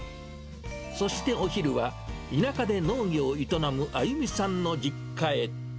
そしてお昼は、田舎で農業を営むあゆみさんの実家へ。